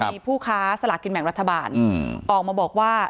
มีผู้ค้าสลากินแบ่งรัฐบาลออกมาบอกว่า